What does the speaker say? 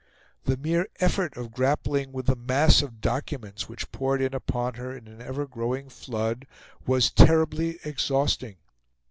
The mere effort of grappling with the mass of documents which poured in upon her in an ever growing flood was terribly exhausting.